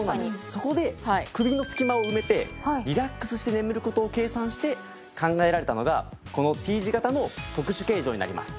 そこで首の隙間を埋めてリラックスして眠る事を計算して考えられたのがこのＴ字型の特殊形状になります」